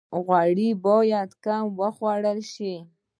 غوړي باید کم وخوړل شي